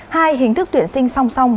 hai hình thức tuyển sinh song song